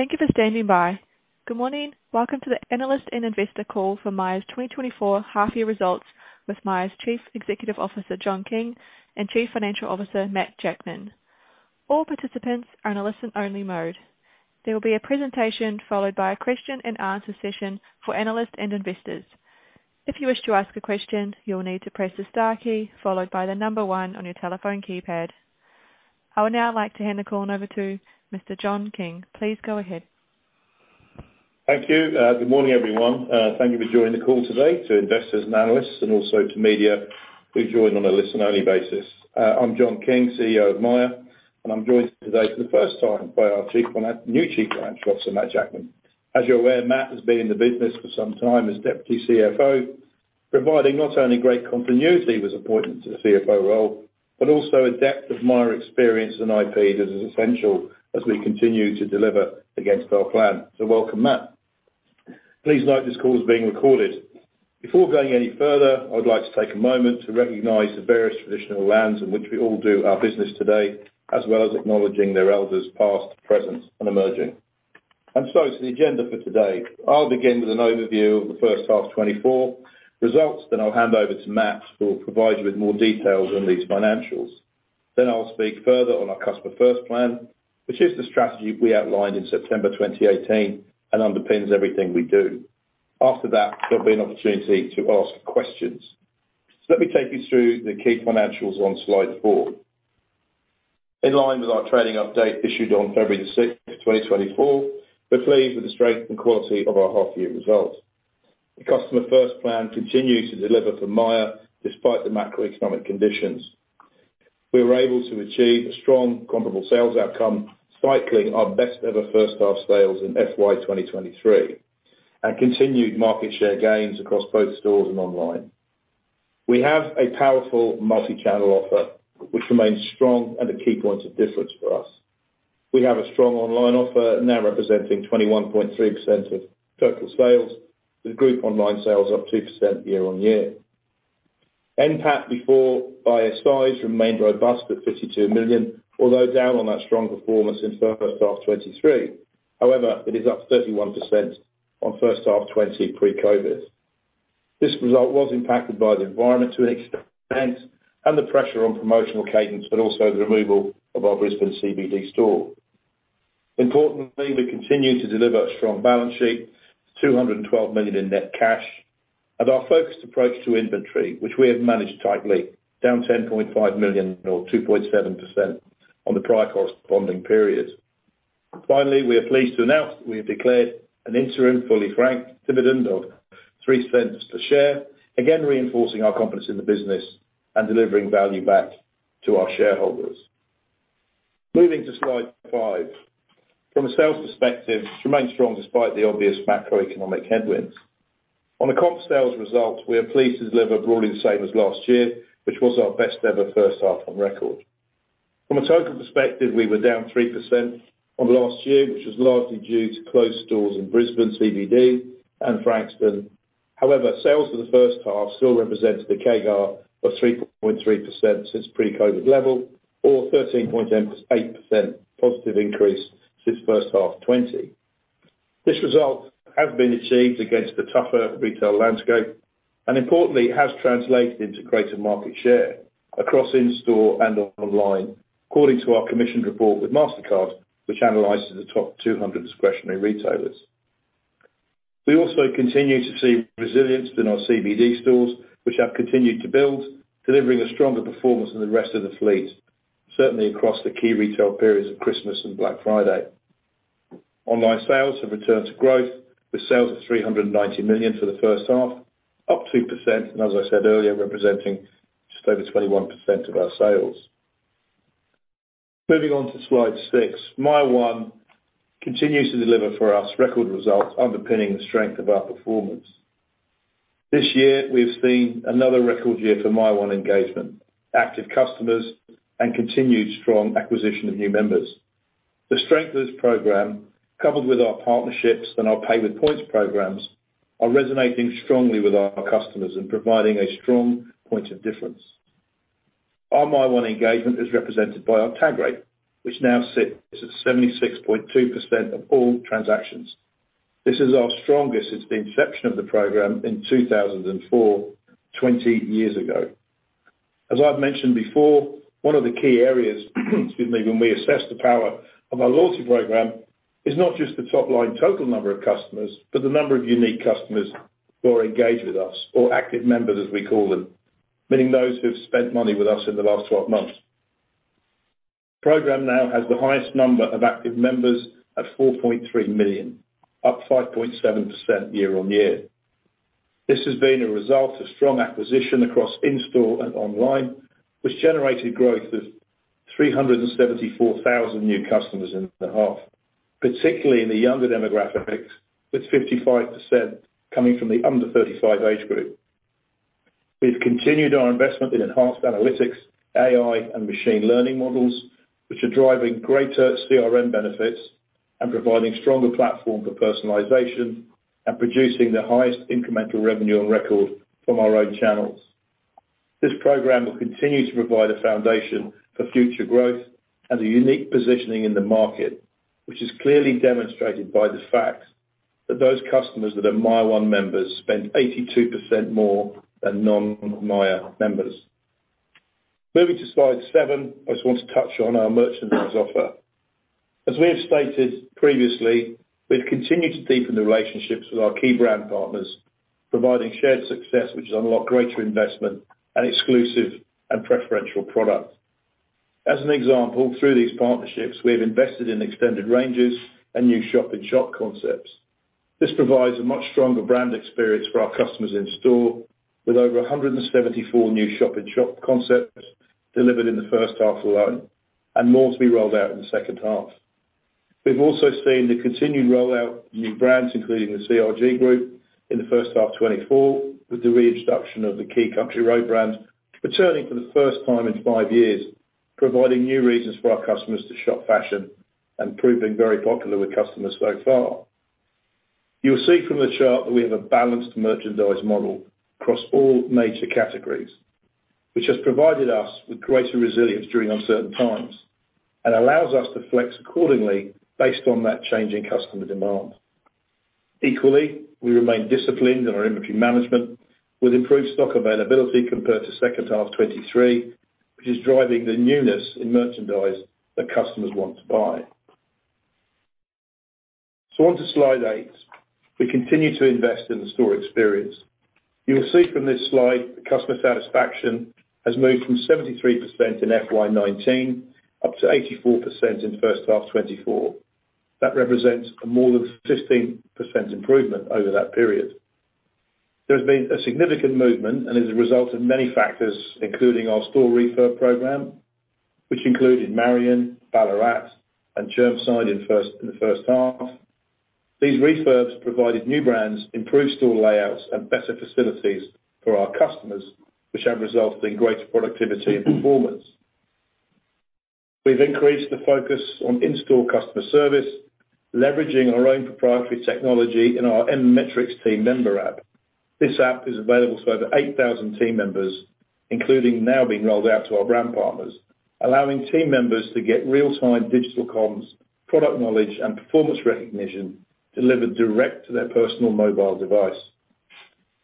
Thank you for standing by. Good morning. Welcome to the analyst and investor call for Myer's 2024 half-year results with Myer's Chief Executive Officer John King and Chief Financial Officer Matt Jackman. All participants are in a listen-only mode. There will be a presentation followed by a question-and-answer session for analysts and investors. If you wish to ask a question, you'll need to press the star key followed by the number one on your telephone keypad. I would now like to hand the call over to Mr. John King. Please go ahead. Thank you. Good morning, everyone. Thank you for joining the call today, to investors and analysts, and also to media who join on a listen-only basis. I'm John King, CEO of Myer, and I'm joined today for the first time by our new Chief Financial Officer, Matt Jackman. As you're aware, Matt has been in the business for some time as Deputy CFO, providing not only great continuity with his appointment to the CFO role but also a depth of Myer experience and IP that is essential as we continue to deliver against our plan. So welcome, Matt. Please note this call is being recorded. Before going any further, I'd like to take a moment to recognize the various traditional lands in which we all do our business today, as well as acknowledging their elders past, present, and emerging. To the agenda for today, I'll begin with an overview of the first half 2024 results, then I'll hand over to Matt who will provide you with more details on these financials. I'll speak further on our Customer First Plan, which is the strategy we outlined in September 2018 and underpins everything we do. After that, there'll be an opportunity to ask questions. Let me take you through the key financials on slide four. In line with our trading update issued on February 6th, 2024, we're pleased with the strength and quality of our half-year results. The Customer First Plan continues to deliver for Myer despite the macroeconomic conditions. We were able to achieve a strong, comparable sales outcome cycling our best ever first-half sales in FY 2023 and continued market share gains across both stores and online. We have a powerful multi-channel offer, which remains strong and a key point of difference for us. We have a strong online offer now representing 21.3% of total sales, with group online sales up 2% year-on-year. NPAT before ISIs remained robust at 52 million, although down on that strong performance in first half 2023. However, it is up 31% on first half 2020 pre-COVID. This result was impacted by the environment to an extent and the pressure on promotional cadence, but also the removal of our Brisbane CBD store. Importantly, we continue to deliver a strong balance sheet of 212 million in net cash and our focused approach to inventory, which we have managed tightly, down 10.5 million or 2.7% on the prior corresponding period. Finally, we are pleased to announce that we have declared an interim fully franked dividend of 0.03 per share, again reinforcing our confidence in the business and delivering value back to our shareholders. Moving to slide five. From a sales perspective, it's remained strong despite the obvious macroeconomic headwinds. On the comp sales results, we are pleased to deliver broadly the same as last year, which was our best ever first half on record. From a total perspective, we were down 3% on last year, which was largely due to closed stores in Brisbane CBD and Frankston. However, sales for the first half still represented a CAGR of 3.3% since pre-COVID level, or 13.8% positive increase since first half 2020. This result has been achieved against a tougher retail landscape and, importantly, has translated into greater market share across in-store and online, according to our commissioned report with Mastercard, which analyses the top 200 discretionary retailers. We also continue to see resilience in our CBD stores, which have continued to build, delivering a stronger performance than the rest of the fleet, certainly across the key retail periods of Christmas and Black Friday. Online sales have returned to growth, with sales of 390 million for the first half, up 2% and, as I said earlier, representing just over 21% of our sales. Moving on to slide six. MYER one continues to deliver for us record results, underpinning the strength of our performance. This year, we have seen another record year for MYER one engagement, active customers, and continued strong acquisition of new members. The strength of this program, coupled with our partnerships Pay with Points programs, are resonating strongly with our customers and providing a strong point of difference. Our MYER one engagement is represented by our tag rate, which now sits at 76.2% of all transactions. This is our strongest since the inception of the program in 2004, 20 years ago. As I've mentioned before, one of the key areas - excuse me - when we assess the power of our loyalty program is not just the top-line total number of customers, but the number of unique customers who are engaged with us, or active members, as we call them, meaning those who have spent money with us in the last 12 months. The program now has the highest number of active members at 4.3 million, up 5.7% year-over-year. This has been a result of strong acquisition across in-store and online, which generated growth of 374,000 new customers in the half, particularly in the younger demographics, with 55% coming from the under-35 age group. We've continued our investment in enhanced analytics, AI, and machine learning models, which are driving greater CRM benefits and providing stronger platform for personalization and producing the highest incremental revenue on record from our own channels. This program will continue to provide a foundation for future growth and a unique positioning in the market, which is clearly demonstrated by the fact that those customers that are MYER one members spend 82% more than non-Myer members. Moving to slide seven, I just want to touch on our merchandise offer. As we have stated previously, we've continued to deepen the relationships with our key brand partners, providing shared success, which has unlocked greater investment and exclusive and preferential products. As an example, through these partnerships, we have invested in extended ranges and new shop-in-shop concepts. This provides a much stronger brand experience for our customers in store, with over 174 new shop-in-shop concepts delivered in the first half alone and more to be rolled out in the second half. We've also seen the continued rollout of new brands, including the CRG group, in the first half 2024, with the reintroduction of the key Country Road brand returning for the first time in five years, providing new reasons for our customers to shop fashion and proving very popular with customers so far. You will see from the chart that we have a balanced merchandise model across all major categories, which has provided us with greater resilience during uncertain times and allows us to flex accordingly based on that changing customer demand. Equally, we remain disciplined in our inventory management, with improved stock availability compared to second half 2023, which is driving the newness in merchandise that customers want to buy. So onto slide eight. We continue to invest in the store experience. You will see from this slide the customer satisfaction has moved from 73% in FY 2019 up to 84% in first half 2024. That represents a more than 15% improvement over that period. There has been a significant movement and is a result of many factors, including our store refurb program, which included Marion, Ballarat, and Chermside in the first half. These refurbs provided new brands, improved store layouts, and better facilities for our customers, which have resulted in greater productivity and performance. We've increased the focus on in-store customer service, leveraging our own proprietary technology in our M-Metrics team member app. This app is available to over 8,000 team members, including now being rolled out to our brand partners, allowing team members to get real-time digital comms, product knowledge, and performance recognition delivered direct to their personal mobile device.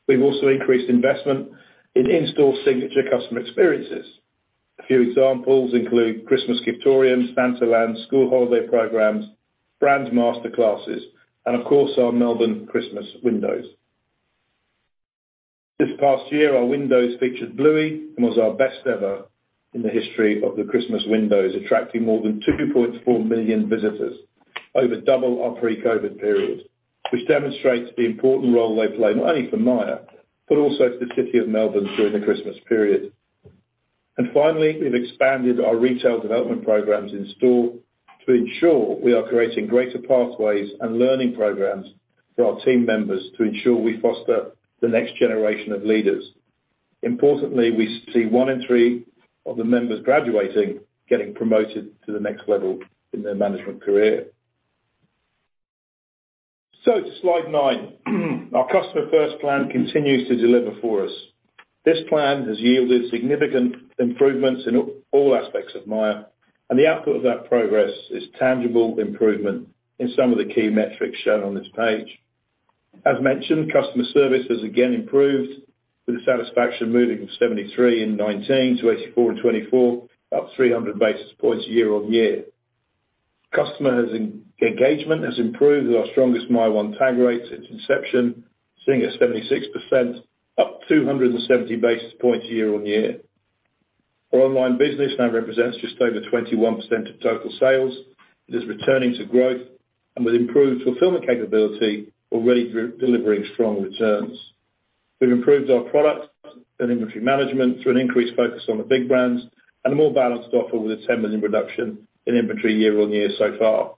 We've also increased investment in in-store signature customer experiences. A few examples include Christmas Giftorium, Santaland, school holiday programs, brand masterclasses, and, of course, our Melbourne Christmas Windows. This past year, our windows featured Bluey and was our best ever in the history of the Christmas Windows, attracting more than 2.4 million visitors over double our pre-COVID period, which demonstrates the important role they play not only for Myer but also for the city of Melbourne during the Christmas period. Finally, we've expanded our retail development programs in store to ensure we are creating greater pathways and learning programs for our team members to ensure we foster the next generation of leaders. Importantly, we see one in three of the members graduating getting promoted to the next level in their management career. So to slide nine. Our Customer First Plan continues to deliver for us. This plan has yielded significant improvements in all aspects of Myer, and the output of that progress is tangible improvement in some of the key metrics shown on this page. As mentioned, customer service has again improved, with the satisfaction moving from 73 in 2019 to 84 in 2024, up 300 basis points year-over-year. Customer engagement has improved with our MYER one tag rate since inception, sitting at 76%, up 270 basis points year-over-year. Our online business now represents just over 21% of total sales. It is returning to growth and, with improved fulfillment capability, already delivering strong returns. We've improved our products and inventory management through an increased focus on the big brands and a more balanced offer with a 10 million reduction in inventory year-over-year so far.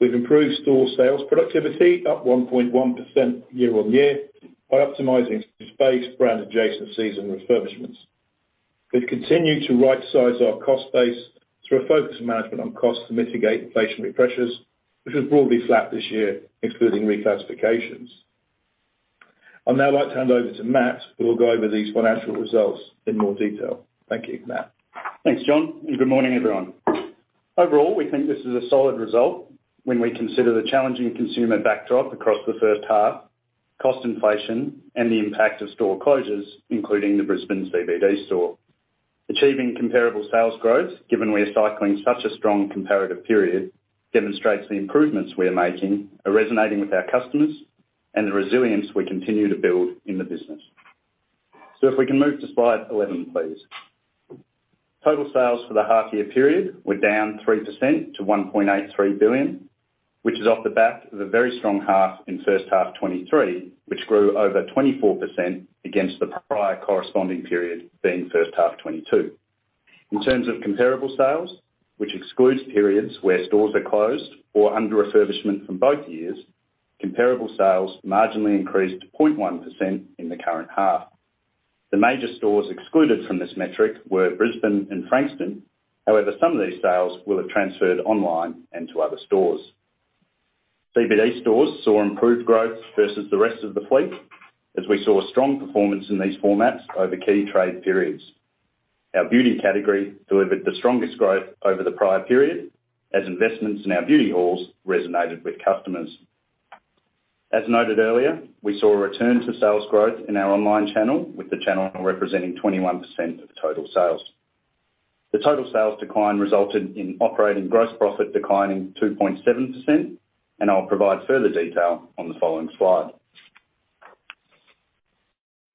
We've improved store sales productivity, up 1.1% year-over-year by optimizing space, brand adjacencies, and refurbishments. We've continued to right-size our cost base through a focused management on costs to mitigate inflationary pressures, which was broadly flat this year, including reclassifications. I'd now like to hand over to Matt, who will go over these financial results in more detail. Thank you, Matt. Thanks, John, and good morning, everyone. Overall, we think this is a solid result when we consider the challenging consumer backdrop across the first half, cost inflation, and the impact of store closures, including the Brisbane CBD store. Achieving comparable sales growth, given we are cycling such a strong comparative period, demonstrates the improvements we are making are resonating with our customers and the resilience we continue to build in the business. So if we can move to slide 11, please. Total sales for the half-year period were down 3% to 1.83 billion, which is off the back of a very strong half in first half 2023, which grew over 24% against the prior corresponding period being first half 2022. In terms of comparable sales, which excludes periods where stores are closed or under refurbishment from both years, comparable sales marginally increased 0.1% in the current half. The major stores excluded from this metric were Brisbane and Frankston. However, some of these sales will have transferred online and to other stores. CBD stores saw improved growth versus the rest of the fleet, as we saw strong performance in these formats over key trade periods. Our beauty category delivered the strongest growth over the prior period, as investments in our beauty halls resonated with customers. As noted earlier, we saw a return to sales growth in our online channel, with the channel representing 21% of total sales. The total sales decline resulted in operating gross profit declining 2.7%, and I'll provide further detail on the following slide.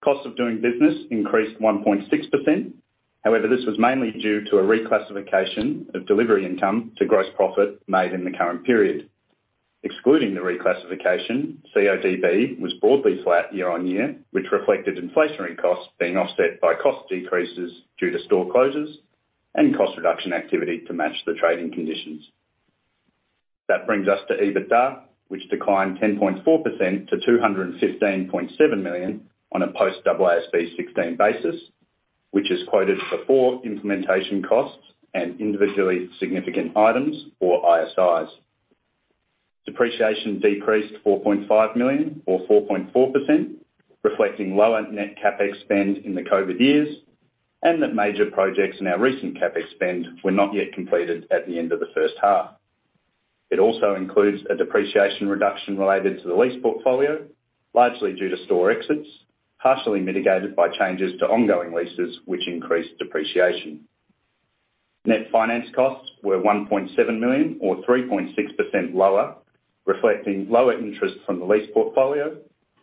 Costs of doing business increased 1.6%. However, this was mainly due to a reclassification of delivery income to gross profit made in the current period. Excluding the reclassification, CODB was broadly flat year-on-year, which reflected inflationary costs being offset by cost decreases due to store closures and cost reduction activity to match the trading conditions. That brings us to EBITDA, which declined 10.4% to 215.7 million on a post-AASB 16 basis, which is quoted before implementation costs and individually significant items, or ISIs. Depreciation decreased 4.5 million, or 4.4%, reflecting lower net CapEx spend in the COVID years and that major projects in our recent CapEx spend were not yet completed at the end of the first half. It also includes a depreciation reduction related to the lease portfolio, largely due to store exits, partially mitigated by changes to ongoing leases, which increased depreciation. Net finance costs were 1.7 million, or 3.6% lower, reflecting lower interest from the lease portfolio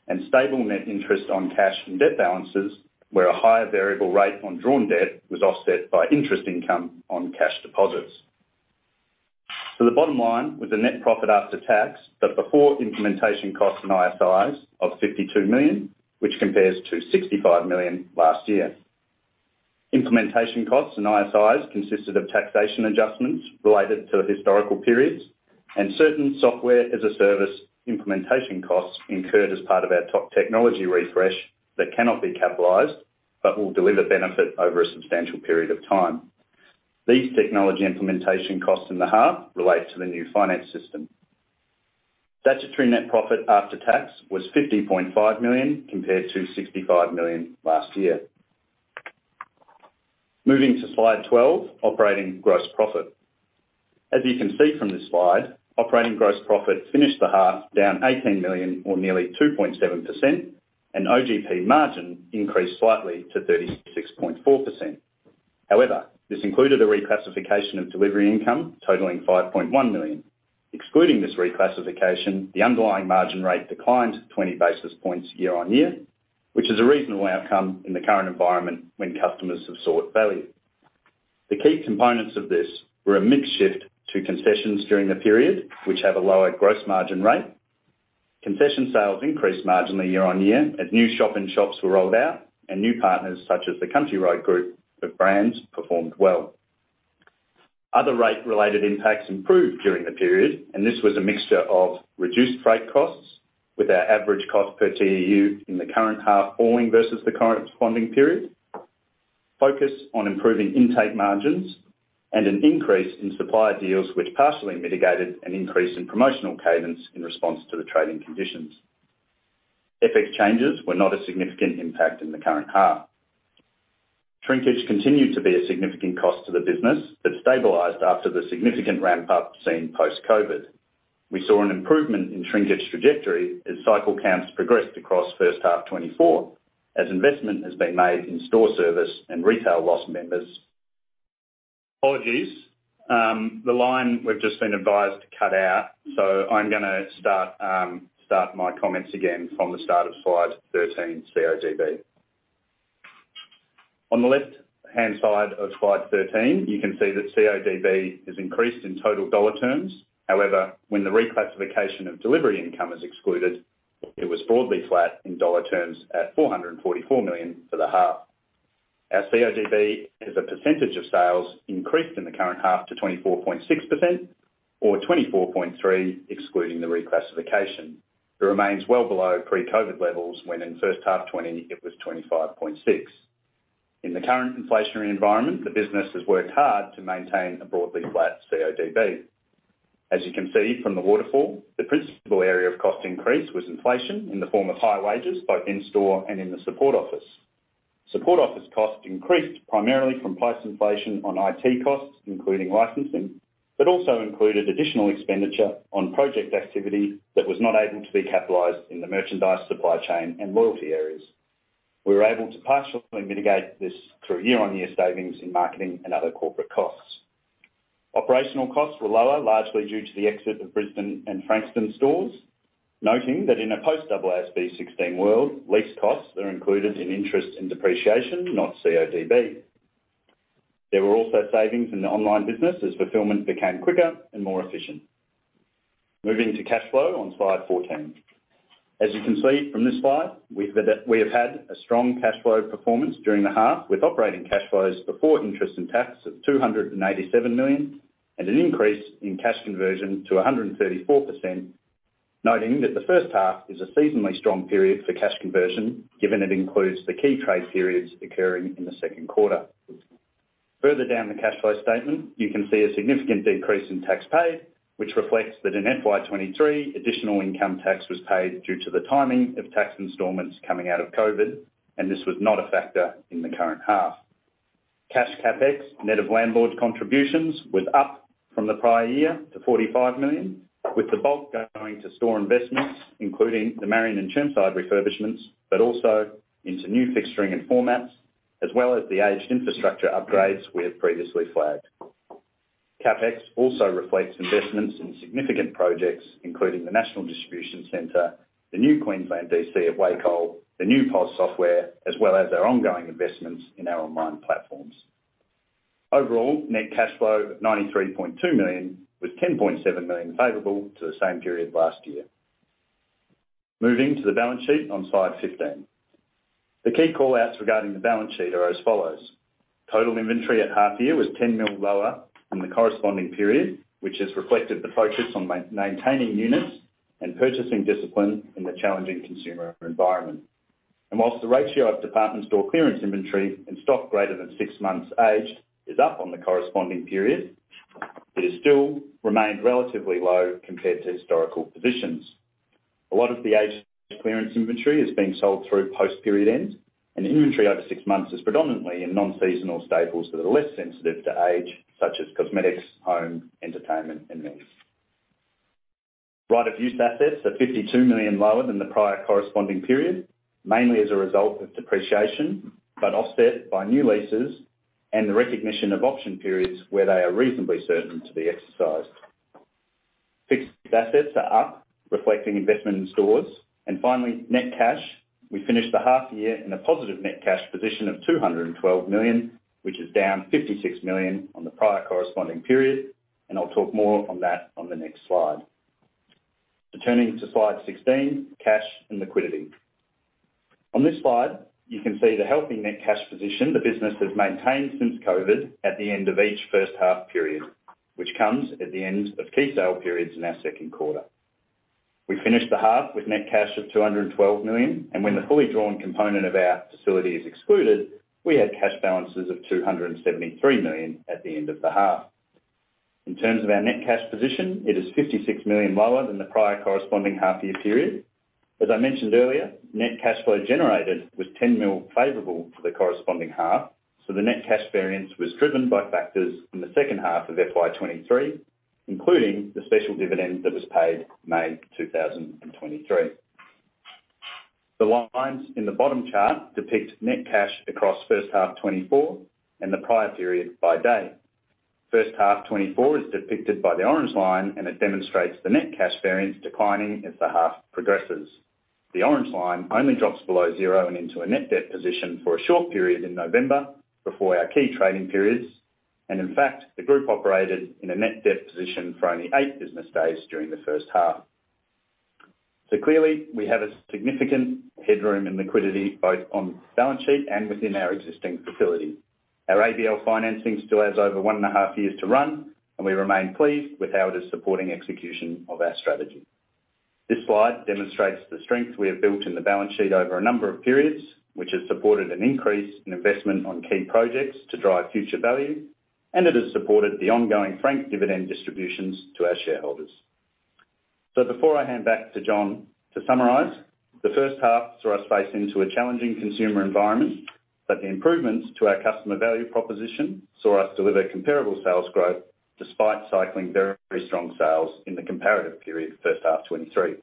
and stable net interest on cash and debt balances, where a higher variable rate on drawn debt was offset by interest income on cash deposits. The bottom line was a net profit after tax but before implementation costs and ISIs of 52 million, which compares to 65 million last year. Implementation costs and ISIs consisted of taxation adjustments related to historical periods and certain software-as-a-service implementation costs incurred as part of our top technology refresh that cannot be capitalized but will deliver benefit over a substantial period of time. These technology implementation costs in the half relate to the new finance system. Statutory net profit after tax was 50.5 million compared to 65 million last year. Moving to slide 12, operating gross profit. As you can see from this slide, operating gross profit finished the half down 18 million, or nearly 2.7%, and OGP margin increased slightly to 36.4%. However, this included a reclassification of delivery income totaling 5.1 million. Excluding this reclassification, the underlying margin rate declined 20 basis points year-on-year, which is a reasonable outcome in the current environment when customers have sought value. The key components of this were a mixed shift to concessions during the period, which have a lower gross margin rate. Concession sales increased marginally year-on-year as new shop-in-shops were rolled out and new partners such as the Country Road Group of brands performed well. Other rate-related impacts improved during the period, and this was a mixture of reduced freight costs with our average cost per TEU in the current half falling versus the corresponding period, focus on improving intake margins, and an increase in supplier deals, which partially mitigated an increase in promotional cadence in response to the trading conditions. FX changes were not a significant impact in the current half. Shrinkage continued to be a significant cost to the business but stabilized after the significant ramp-up seen post-COVID. We saw an improvement in shrinkage trajectory as cycle counts progressed across first half 2024 as investment has been made in store service and retail loss members. Apologies. The line we've just been advised to cut out, so I'm going to start my comments again from the start of slide 13, CODB. On the left-hand side of slide 13, you can see that CODB has increased in total dollar terms. However, when the reclassification of delivery income is excluded, it was broadly flat in dollar terms at 444 million for the half. Our CODB is a percentage of sales increased in the current half to 24.6%, or 24.3% excluding the reclassification. It remains well below pre-COVID levels when, in first half 2020, it was 25.6%. In the current inflationary environment, the business has worked hard to maintain a broadly flat CODB. As you can see from the waterfall, the principal area of cost increase was inflation in the form of high wages both in-store and in the support office. Support office costs increased primarily from price inflation on IT costs, including licensing, but also included additional expenditure on project activity that was not able to be capitalised in the merchandise supply chain and loyalty areas. We were able to partially mitigate this through year-on-year savings in marketing and other corporate costs. Operational costs were lower, largely due to the exit of Brisbane and Frankston stores. Noting that in a post-AASB 16 world, lease costs are included in interest and depreciation, not CODB. There were also savings in the online business as fulfillment became quicker and more efficient. Moving to cash flow on slide 14. As you can see from this slide, we have had a strong cash flow performance during the half with operating cash flows before interest and tax of 287 million and an increase in cash conversion to 134%. Noting that the first half is a seasonally strong period for cash conversion, given it includes the key trade periods occurring in the second quarter. Further down the cash flow statement, you can see a significant decrease in tax paid, which reflects that in FY 2023, additional income tax was paid due to the timing of tax installments coming out of COVID, and this was not a factor in the current half. Cash CapEx, net of landlord contributions, was up from the prior year to 45 million, with the bulk going to store investments, including the Marion and Chermside refurbishments, but also into new fixturing and formats, as well as the aged infrastructure upgrades we have previously flagged. CapEx also reflects investments in significant projects, including the National Distribution Centre, the new Queensland DC at Wacol, the new POS software, as well as our ongoing investments in our online platforms. Overall, net cash flow of 93.2 million was 10.7 million favorable to the same period last year. Moving to the balance sheet on slide 15. The key callouts regarding the balance sheet are as follows. Total inventory at half-year was 10 million lower in the corresponding period, which has reflected the focus on maintaining units and purchasing discipline in the challenging consumer environment. And whilst the ratio of department store clearance inventory and stock greater than six months aged is up on the corresponding period, it has still remained relatively low compared to historical positions. A lot of the aged clearance inventory is being sold through post-period ends, and inventory over six months is predominantly in non-seasonal staples that are less sensitive to age, such as cosmetics, home, entertainment, and meals. Right-of-use assets are 52 million lower than the prior corresponding period, mainly as a result of depreciation but offset by new leases and the recognition of option periods where they are reasonably certain to be exercised. Fixed assets are up, reflecting investment in stores. Finally, net cash. We finished the half-year in a positive net cash position of 212 million, which is down 56 million on the prior corresponding period. I'll talk more on that on the next slide. Returning to slide 16, cash and liquidity. On this slide, you can see the healthy net cash position the business has maintained since COVID at the end of each first half period, which comes at the end of key sale periods in our second quarter. We finished the half with net cash of 212 million. When the fully drawn component of our facility is excluded, we had cash balances of 273 million at the end of the half. In terms of our net cash position, it is 56 million lower than the prior corresponding half-year period. As I mentioned earlier, net cash flow generated was 10 million favorable for the corresponding half. So the net cash variance was driven by factors in the second half of FY 2023, including the special dividend that was paid May 2023. The lines in the bottom chart depict net cash across first half 2024 and the prior period by day. First half 2024 is depicted by the orange line, and it demonstrates the net cash variance declining as the half progresses. The orange line only drops below zero and into a net debt position for a short period in November before our key trading periods. In fact, the group operated in a right-of-use assets or only eight business days during the first half. Clearly, we have a significant headroom in liquidity both on balance sheet and within our existing facility. Our ABL financing still has over one and a half years to run, and we remain pleased with how it is supporting execution of our strategy. This slide demonstrates the strength we have built in the balance sheet over a number of periods, which has supported an increase in investment on key projects to drive future value, and it has supported the ongoing frank dividend distributions to our shareholders. So before I hand back to John to summarize, the first half saw us face into a challenging consumer environment, but the improvements to our customer value proposition saw us deliver comparable sales growth despite cycling very strong sales in the comparative period, first half 2023.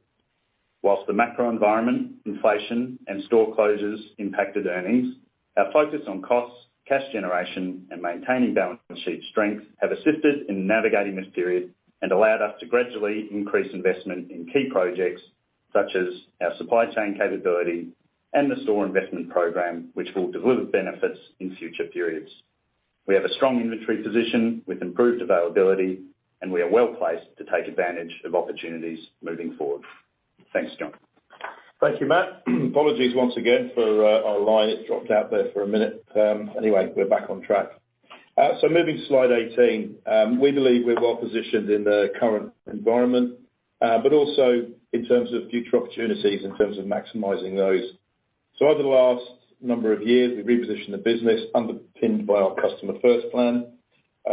While the macro environment, inflation, and store closures impacted earnings, our focus on costs, cash generation, and maintaining balance sheet strength have assisted in navigating this period and allowed us to gradually increase investment in key projects such as our supply chain capability and the store investment program, which will deliver benefits in future periods. We have a strong inventory position with improved availability, and we are well placed to take advantage of opportunities moving forward. Thanks, John. Thank you, Matt. Apologies once again for our line. It dropped out there for a minute. Anyway, we're back on track. So moving to slide 18. We believe we're well positioned in the current environment but also in terms of future opportunities, in terms of maximizing those. So over the last number of years, we've repositioned the business underpinned by our Customer First Plan.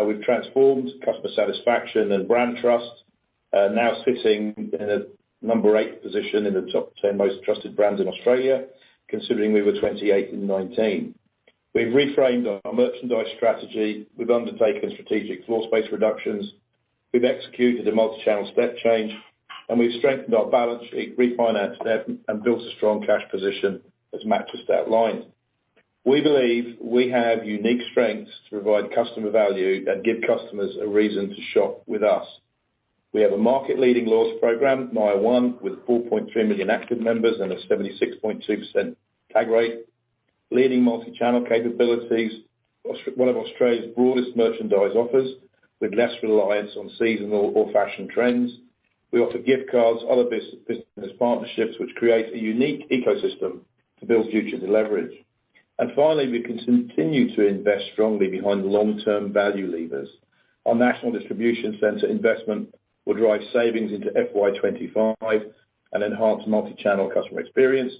We've transformed customer satisfaction and brand trust, now sitting in the number eight position in the top 10 most trusted brands in Australia, considering we were 28 in 2019. We've reframed our merchandise strategy. We've undertaken strategic floor space reductions. We've executed a multi-channel step change, and we've strengthened our balance sheet, refinanced it, and built a strong cash position as Matt just outlined. We believe we have unique strengths to provide customer value and give customers a reason to shop with us. We have a market-leading loyalty MYER one, with 4.3 million active members and a 76.2% tag rate. Leading multi-channel capabilities, one of Australia's broadest merchandise offers with less reliance on seasonal or fashion trends. We offer gift cards, other business partnerships, which create a unique ecosystem to build future delivery. And finally, we can continue to invest strongly behind long-term value levers. Our National Distribution Centre investment will drive savings into FY 2025 and enhance multi-channel customer experience.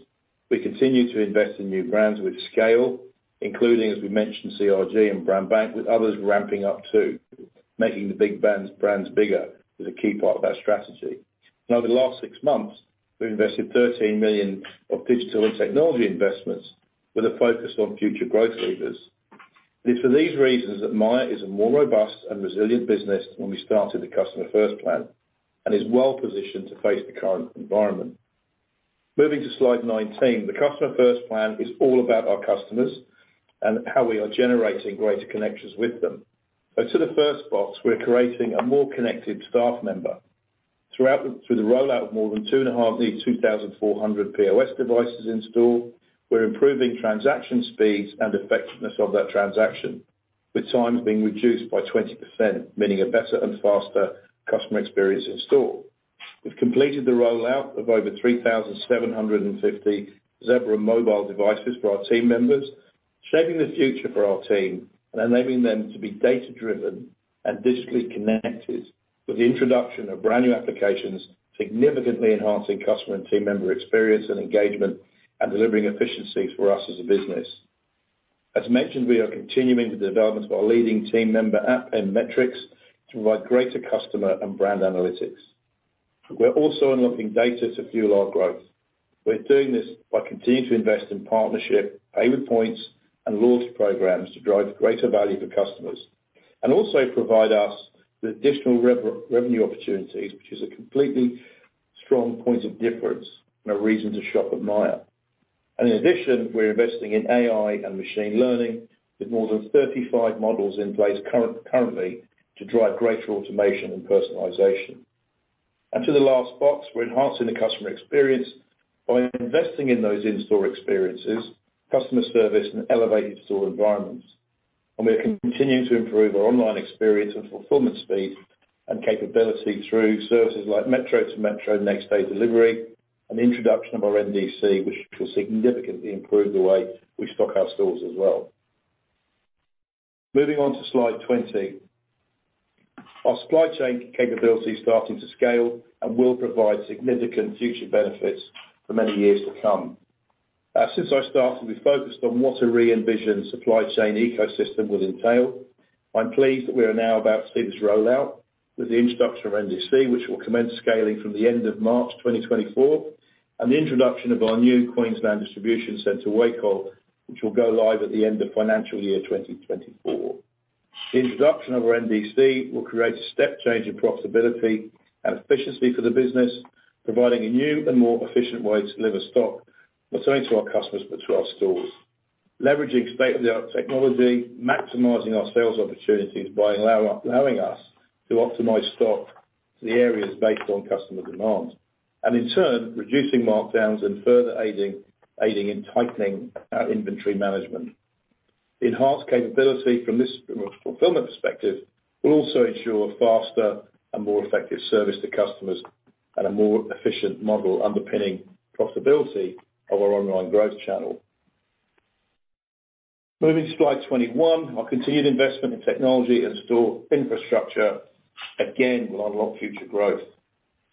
We continue to invest in new brands with scale, including, as we mentioned, CRG and Brandbank, with others ramping up too, making the big brands bigger is a key part of that strategy. And over the last six months, we've invested 13 million of digital and technology investments with a focus on future growth levers. It is for these reasons that Myer is a more robust and resilient business than when we started the Customer First Plan and is well positioned to face the current environment. Moving to slide 19. The Customer First Plan is all about our customers and how we are generating greater connections with them. So to the first box, we're creating a more connected staff member. Through the rollout of more than 2,400 new POS devices in store, we're improving transaction speeds and effectiveness of that transaction, with times being reduced by 20%, meaning a better and faster customer experience in store. We've completed the rollout of over 3,750 Zebra mobile devices for our team members, shaping the future for our team and enabling them to be data-driven and digitally connected with the introduction of brand new applications, significantly enhancing customer and team member experience and engagement and delivering efficiencies for us as a business. As mentioned, we are continuing the development of our leading team member app and M-Metrics to provide greater customer and brand analytics. We're also unlocking data to fuel our growth. We're doing this by continuing to invest in partnership, Pay with Points, and loyalty programs to drive greater value for customers and also provide us with additional revenue opportunities, which is a completely strong point of difference and a reason to shop at Myer. In addition, we're investing in AI and machine learning with more than 35 models in place currently to drive greater automation and personalization. To the last box, we're enhancing the customer experience by investing in those in-store experiences, customer service, and elevated store environments. We are continuing to improve our online experience and fulfillment speed and capability through services like Metro to Metro, next-day delivery, and the introduction of our NDC, which will significantly improve the way we stock our stores as well. Moving on to slide 20. Our supply chain capability is starting to scale and will provide significant future benefits for many years to come. Since I started, we focused on what a re-envisioned supply chain ecosystem would entail. I'm pleased that we are now about to see this rollout with the introduction of NDC, which will commence scaling from the end of March 2024, and the introduction of our new Queensland Distribution Centre, Wacol, which will go live at the end of financial year 2024. The introduction of our NDC will create a step change in profitability and efficiency for the business, providing a new and more efficient way to deliver stock not only to our customers but to our stores. Leveraging state-of-the-art technology, maximizing our sales opportunities by allowing us to optimize stock to the areas based on customer demand and, in turn, reducing lockdowns and further aiding in tightening our inventory management. The enhanced capability from this fulfillment perspective will also ensure a faster and more effective service to customers and a more efficient model underpinning profitability of our online growth channel. Moving to slide 21. Our continued investment in technology and store infrastructure, again, will unlock future growth.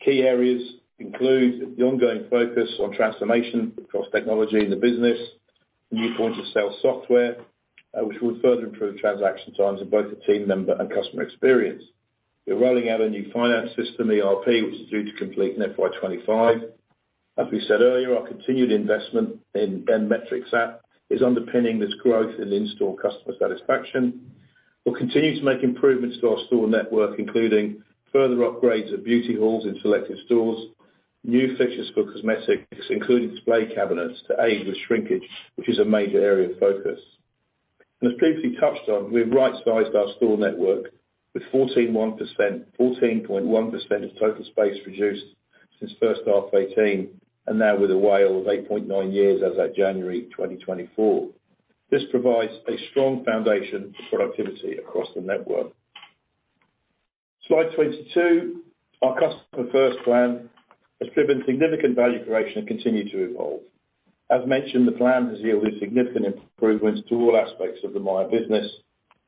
Key areas include the ongoing focus on transformation across technology in the business, new point of sale software, which will further improve transaction times in both the team member and customer experience. We're rolling out a new finance system, ERP, which is due to complete in FY 2025. As we said earlier, our continued investment in the M-Metrics app is underpinning this growth in in-store customer satisfaction. We'll continue to make improvements to our store network, including further upgrades of beauty halls in selected stores, new fixtures for cosmetics, including display cabinets to aid with shrinkage, which is a major area of focus. As previously touched on, we have right-sized our store network with 14.1% of total space reduced since first half 2018 and now with a WALE of 8.9 years as of January 2024. This provides a strong foundation for productivity across the network. Slide 22. Our Customer First Plan has driven significant value creation and continued to evolve. As mentioned, the plan has yielded significant improvements to all aspects of the Myer business,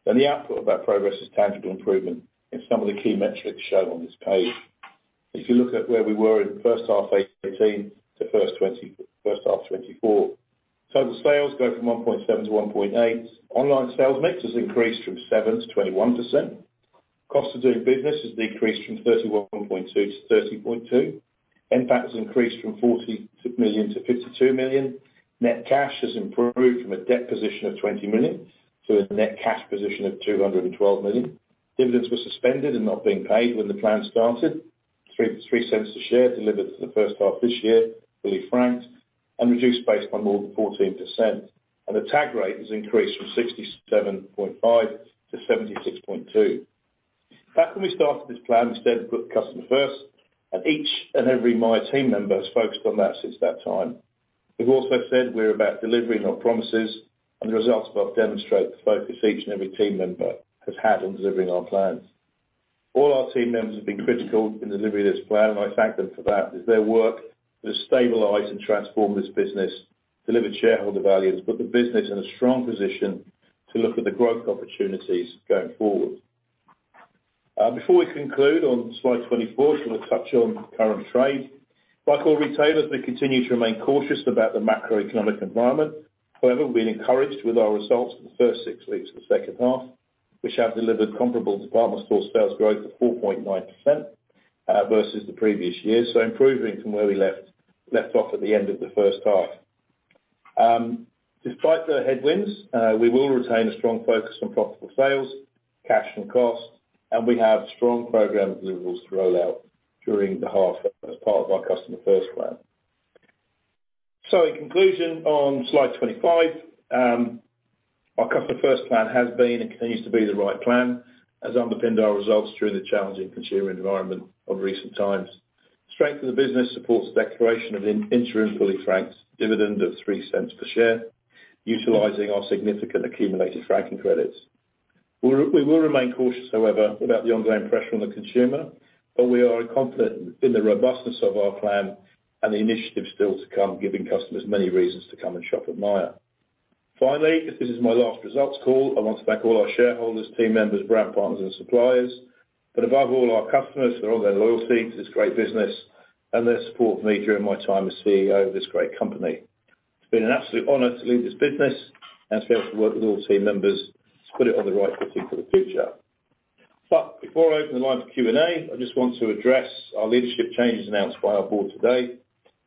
and the output of that progress is tangible improvement in some of the key metrics shown on this page. If you look at where we were in first half 2018 to first half 2024, total sales go from 1.7-1.8. Online sales mix has increased from 7%-21%. Cost of doing business has decreased from 31.2%-30.2%. NPAT has increased from 40 million-52 million. Net cash has improved from a debt position of 20 million to a net cash position of 212 million. Dividends were suspended and not being paid when the plan started. 0.03 per share delivered for the first half this year, fully franked, and reduced based on more than 14%. The tag rate has increased from 67.5% to 76.2%. Back when we started this plan, we said put the customer first, and each and every Myer team member has focused on that since that time. We've also said we're about delivery, not promises, and the results above demonstrate the focus each and every team member has had on delivering our plans. All our team members have been critical in delivering this plan, and I thank them for that. It's their work that has stabilised and transformed this business, delivered shareholder value, and has put the business in a strong position to look at the growth opportunities going forward. Before we conclude on slide 24, I just want to touch on current trade. Like all retailers, we continue to remain cautious about the macroeconomic environment. However, we've been encouraged with our results for the first six weeks of the second half, which have delivered comparable department store sales growth of 4.9% versus the previous year, so improving from where we left off at the end of the first half. Despite the headwinds, we will retain a strong focus on profitable sales, cash, and cost, and we have strong programmed deliverables to roll out during the half as part of our Customer First Plan. So in conclusion, on slide 25, our Customer First Plan has been and continues to be the right plan as underpinned our results during the challenging consumer environment of recent times. Strength of the business supports the declaration of an interim fully franked dividend of 0.03 per share, utilizing our significant accumulated franking credits. We will remain cautious, however, about the ongoing pressure on the consumer, but we are confident in the robustness of our plan and the initiative still to come, giving customers many reasons to come and shop at Myer. Finally, as this is my last results call, I want to thank all our shareholders, team members, brand partners, and suppliers, but above all, our customers for their ongoing loyalty to this great business and their support of me during my time as CEO of this great company. It's been an absolute honor to lead this business and to be able to work with all team members to put it on the right footing for the future. But before I open the line for Q&A, I just want to address our leadership changes announced by our board today.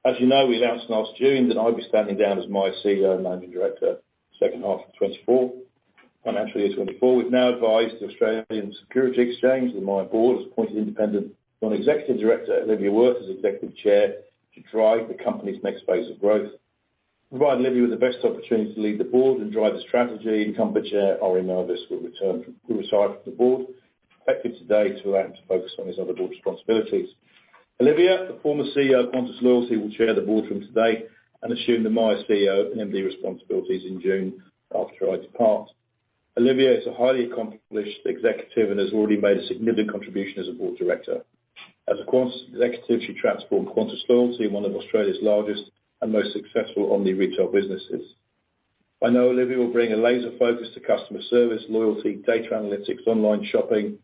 As you know, we announced last June that I'd be standing down as Myer CEO and Managing Director, second half of 2024, financial year 2024. We've now advised the Australian Securities Exchange and the Myer Board has appointed independent non-executive director Olivia Wirth as executive chair to drive the company's next phase of growth, provide Olivia with the best opportunity to lead the board and drive the strategy, and thank Chair Ari Mervis, who will retire from the board, effective today to allow him to focus on his other board responsibilities. Olivia, the former CEO of Qantas Loyalty, will chair the board from today and assume the Myer CEO and MD responsibilities in June after I depart. Olivia is a highly accomplished executive and has already made a significant contribution as a board director. As a Qantas executive, she transformed Qantas Loyalty into one of Australia's largest and most successful omni-retail businesses. I know Olivia will bring a laser focus to customer service, loyalty, data analytics, online shopping,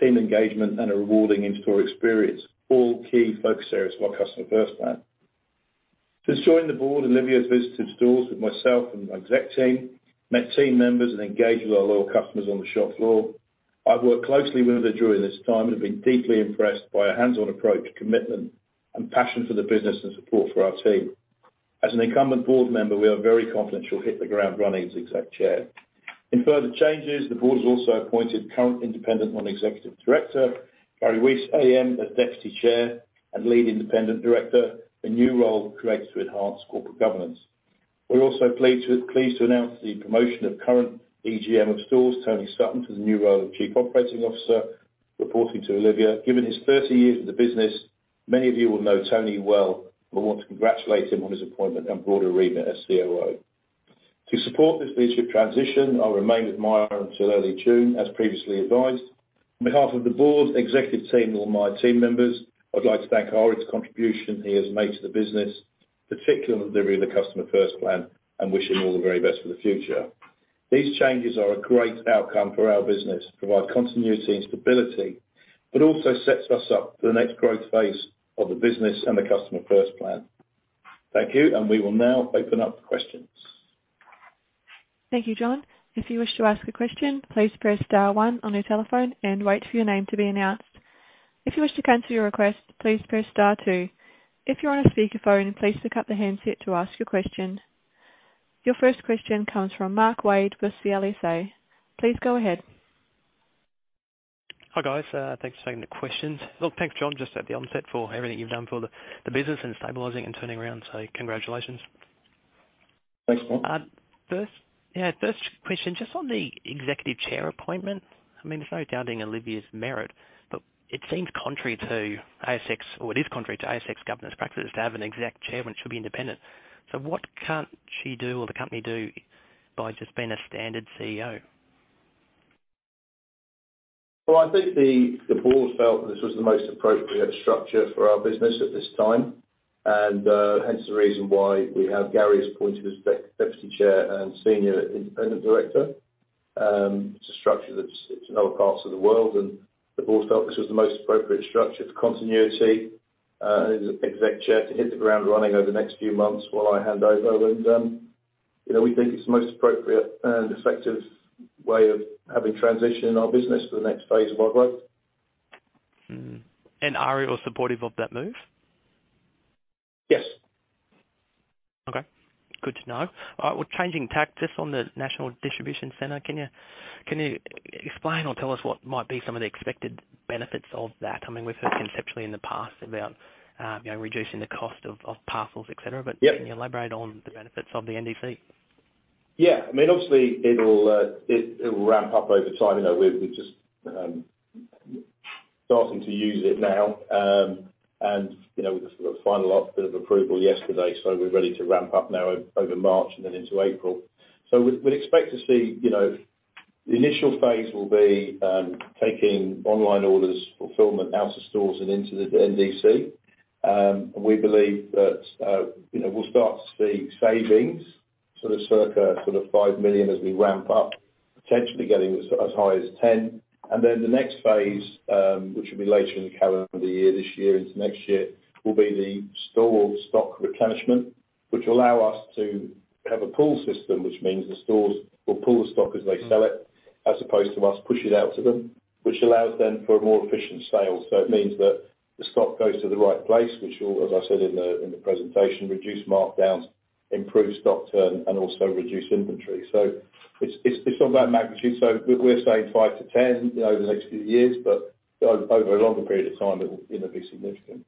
team engagement, and a rewarding in-store experience, all key focus areas of our Customer First Plan. Since joining the board, Olivia has visited stores with myself and my exec team, met team members, and engaged with our loyal customers on the shop floor. I've worked closely with her during this time and have been deeply impressed by her hands-on approach, commitment, and passion for the business and support for our team. As an incumbent board member, we are very confident she'll hit the ground running as Executive Chair. In further changes, the board has also appointed current independent non-executive director, Gary Weiss AM, as Deputy Chair and Lead Independent Director, a new role created to enhance corporate governance. We're also pleased to announce the promotion of current EGM of stores, Tony Sutton, to the new role of Chief Operating Officer, reporting to Olivia. Given his 30 years with the business, many of you will know Tony well and will want to congratulate him on his appointment and broader arena as COO. To support this leadership transition, I'll remain with Myer until early June, as previously advised. On behalf of the board, executive team, and all Myer team members, I'd like to thank Ari for the contribution he has made to the business, particularly on the delivery of the Customer First Plan, and wish him all the very best for the future. These changes are a great outcome for our business, provide continuity and stability, but also set us up for the next growth phase of the business and the Customer First Plan. Thank you, and we will now open up for questions. Thank you, John. If you wish to ask a question, please press star one on your telephone and wait for your name to be announced. If you wish to cancel your request, please press star two. If you're on a speakerphone, please pick up the handset to ask your question. Your first question comes from Mark Wade with CLSA. Please go ahead. Hi, guys. Thanks for taking the questions. Look, thanks, John, just at the onset for everything you've done for the business and stabilizing and turning around. So congratulations. Thanks, Mark. Yeah, first question. Just on the executive chair appointment, I mean, there's no doubting Olivia's merit, but it seems contrary to ASX or it is contrary to ASX governance practices to have an exec chair when she'll be independent. So what can't she do or the company do by just being a standard CEO? Well, I think the board felt that this was the most appropriate structure for our business at this time, and hence the reason why we have Gary appointed as deputy chair and senior independent director. It's a structure that's in other parts of the world, and the board felt this was the most appropriate structure for continuity and as exec chair to hit the ground running over the next few months while I hand over. And we think it's the most appropriate and effective way of having transition in our business for the next phase of our growth. And Ari was supportive of that move? Yes. Okay. Good to know. All right. Well, changing tactics on the National Distribution Center, can you explain or tell us what might be some of the expected benefits of that? I mean, we've heard conceptually in the past about reducing the cost of parcels, etc., but can you elaborate on the benefits of the NDC? Yeah. I mean, obviously, it'll ramp up over time. We're just starting to use it now, and we got the final bit of approval yesterday, so we're ready to ramp up now over March and then into April. So we'd expect to see the initial phase will be taking online orders fulfillment out of stores and into the NDC. We believe that we'll start to see savings sort of circa sort of 5 million as we ramp up, potentially getting as high as 10 million. And then the next phase, which will be later in the calendar year this year into next year, will be the store stock replenishment, which will allow us to have a pull system, which means the stores will pull the stock as they sell it as opposed to us pushing it out to them, which allows then for a more efficient sale. So it means that the stock goes to the right place, which will, as I said in the presentation, reduce markdowns, improve stock turn, and also reduce inventory. So it's all about magnitude. So we're saying five-10 over the next few years, but over a longer period of time, it will be significant.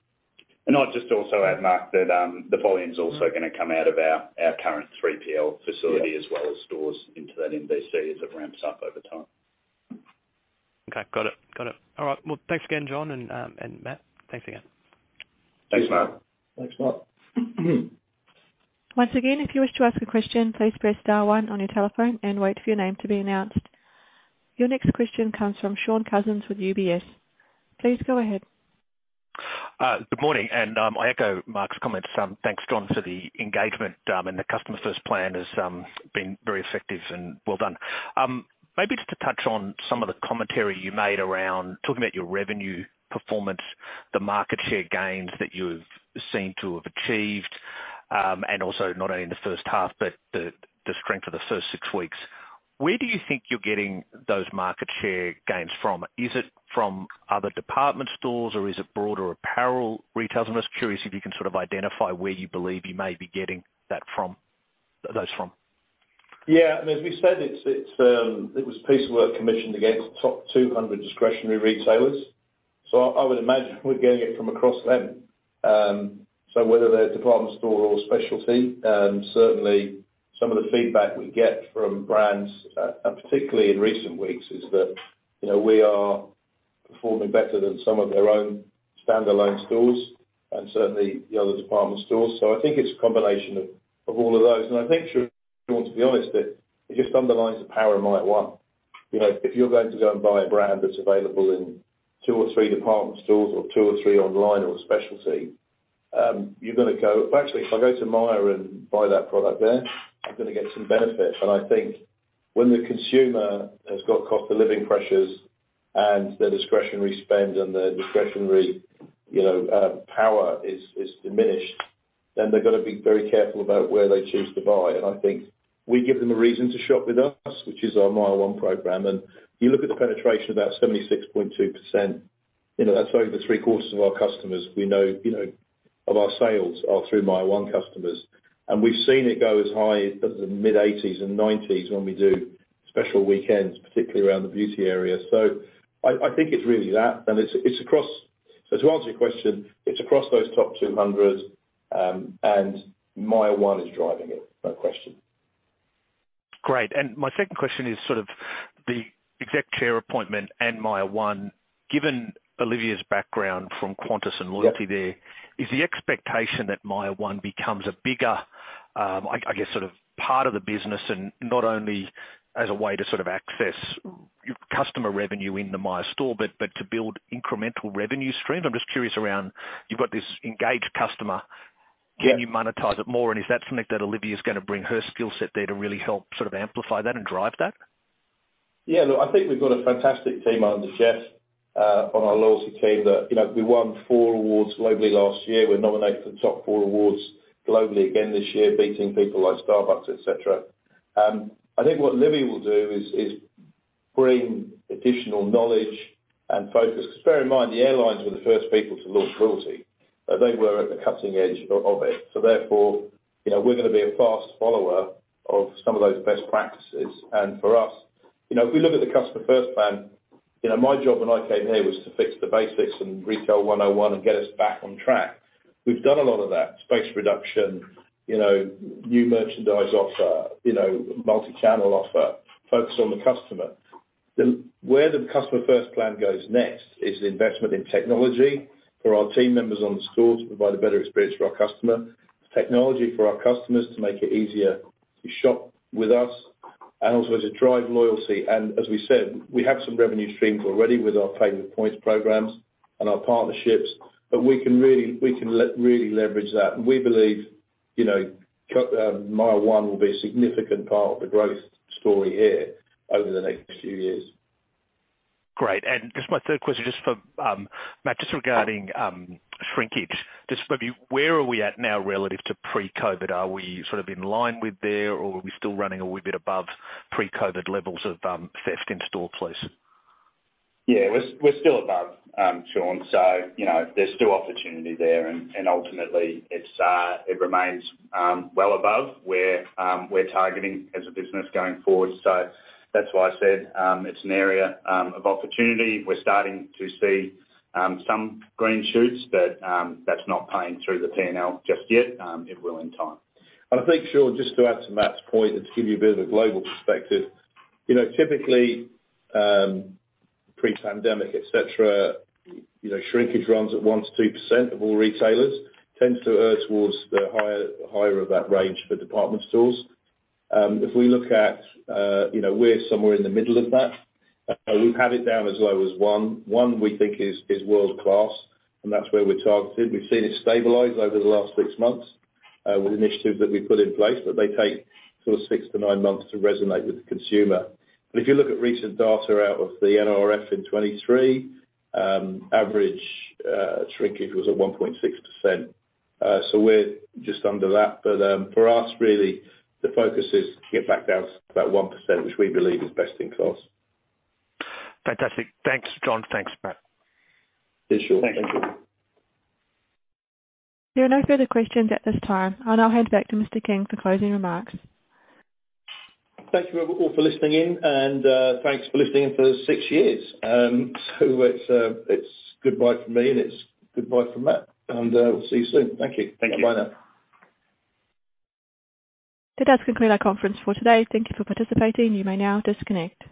I'll just also add, Mark, that the volume's also going to come out of our current 3PL facility as well as stores into that NDC as it ramps up over time. Okay. Got it. Got it. All right. Well, thanks again, John and Matt. Thanks again. Thanks, Mark. Thanks, Mark. Once again, if you wish to ask a question, please press star one on your telephone and wait for your name to be announced. Your next question comes from Shaun Cousins with UBS. Please go ahead. Good morning. And I echo Mark's comments. Thanks, John, for the engagement. And the Customer First Plan has been very effective, and well done. Maybe just to touch on some of the commentary you made around talking about your revenue performance, the market share gains that you've seemed to have achieved, and also not only in the first half but the strength of the first six weeks. Where do you think you're getting those market share gains from? Is it from other department stores, or is it broader apparel retailers? I'm just curious if you can sort of identify where you believe you may be getting those from. Yeah. I mean, as we said, it was a piece of work commissioned against the top 200 discretionary retailers. So I would imagine we're getting it from across them. So whether they're department store or specialty, certainly, some of the feedback we get from brands, particularly in recent weeks, is that we are performing better than some of their own standalone stores and certainly the other department stores. So I think it's a combination of all of those. And I think, to be honest, it just underlines the power MYER one. if you're going to go and buy a brand that's available in two or three department stores or two or three online or specialty, you're going to go actually, if I go to Myer and buy that product there, I'm going to get some benefit. I think when the consumer has got cost of living pressures and their discretionary spend and their discretionary power is diminished, then they're going to be very careful about where they choose to buy. I think we give them a reason to shop with us, which is our MYER one program. You look at the penetration, about 76.2%. That's over three-quarters of our customers we know of our sales are through MYER one customers. We've seen it go as high as the mid-80s and 90s when we do special weekends, particularly around the beauty area. I think it's really that. It's across so to answer your question, it's across those top 200, and MYER one is driving it, no question. Great. And my second question is sort of the exec chair appointment MYER one. given Olivia's background from Qantas and loyalty there, is the expectation MYER one becomes a bigger, I guess, sort of part of the business and not only as a way to sort of access customer revenue in the Myer store but to build incremental revenue streams? I'm just curious around you've got this engaged customer. Can you monetize it more? And is that something that Olivia's going to bring her skill set there to really help sort of amplify that and drive that? Yeah. Look, I think we've got a fantastic team under Geoff on our loyalty team that we won four awards globally last year. We're nominated for the top four awards globally again this year, beating people like Starbucks, etc. I think what Olivia will do is bring additional knowledge and focus because bear in mind, the airlines were the first people to launch loyalty. They were at the cutting edge of it. So therefore, we're going to be a fast follower of some of those best practices. And for us, if we look at the Customer First Plan, my job when I came here was to fix the basics and retail 101 and get us back on track. We've done a lot of that: space reduction, new merchandise offer, multi-channel offer, focus on the customer. Where the Customer First Plan goes next is the investment in technology for our team members on the store to provide a better experience for our customer, technology for our customers to make it easier to shop with us, and also to drive loyalty. And as we said, we have some revenue streams already with our payment points programs and our partnerships, but we can really leverage that. And we believe MYER one will be a significant part of the growth story here over the next few years. Great. And just my third question, Matt, just regarding shrinkage. Just maybe where are we at now relative to pre-COVID? Are we sort of in line with there, or are we still running a wee bit above pre-COVID levels of theft in store places? Yeah. We're still above, Shaun. So there's still opportunity there. And ultimately, it remains well above where we're targeting as a business going forward. So that's why I said it's an area of opportunity. We're starting to see some green shoots, but that's not paying through the P&L just yet. It will in time. And I think, Shaun, just to add to Matt's point and to give you a bit of a global perspective, typically, pre-pandemic, etc., shrinkage runs at 1%-2% of all retailers, tends to err towards the higher of that range for department stores. If we look at, we're somewhere in the middle of that. We've had it down as low as 1.1, we think, is world-class, and that's where we're targeting. We've seen it stabilize over the last six months with initiatives that we've put in place, but they take sort of six to nine months to resonate with the consumer. But if you look at recent data out of the NRF in 2023, average shrinkage was at 1.6%. So we're just under that. But for us, really, the focus is to get back down to about 1%, which we believe is best in class. Fantastic. Thanks, John. Thanks, Matt. Yes, Shaun. Thank you. There are no further questions at this time, and I'll hand back to Mr. King for closing remarks. Thank you all for listening in, and thanks for listening in for six years. So it's goodbye from me, and it's goodbye from Matt. And we'll see you soon. Thank you. Bye-bye now. Good. That's concluded our conference for today. Thank you for participating. You may now disconnect.